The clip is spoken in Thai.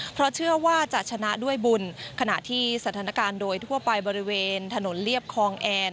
เพราะเชื่อว่าจะชนะด้วยบุญขณะที่สถานการณ์โดยทั่วไปบริเวณถนนเรียบคลองแอน